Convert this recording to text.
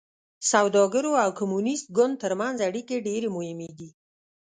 سوداګرو او کمونېست ګوند ترمنځ اړیکې ډېرې مهمې دي.